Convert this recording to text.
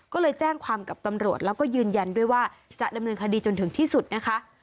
ก็เลยแจ้งความกับตำรวจแล้วก็ยืนยันด้วยว่าจะดำเนินคดีจนถึงที่สุดนะคะ